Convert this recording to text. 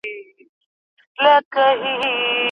تاریخ سلطاني پر شفاهي کیسو او افسانو ولاړ دی.